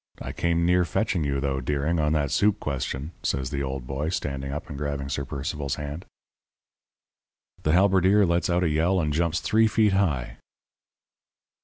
I came near fetching you, though, Deering, on that soup question,' says the old boy, standing up and grabbing Sir Percival's hand. "The halberdier lets out a yell and jumps three feet high.